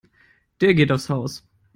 Der geht aufs Haus.